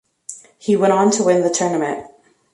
He went on to win the tournament.